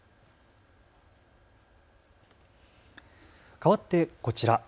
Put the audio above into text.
かわってこちら。